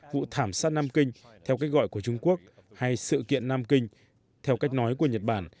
vụ thảm sát nam kinh theo cách gọi của trung quốc hay sự kiện nam kinh theo cách nói của nhật bản